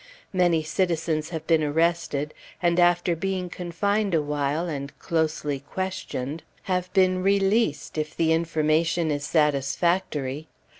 Many citizens have been arrested, and after being confined a while, and closely questioned, have been released, if the information is satisfactory.